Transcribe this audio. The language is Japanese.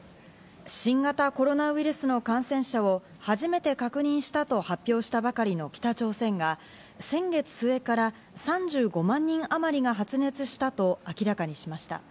新型コロナウイルスの感染者を初めて確認したと発表したばかりの北朝鮮が、先月末から３５万人あまりが発熱したと明らかにしました。